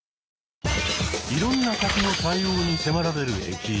いろんな客の対応に迫られる駅員。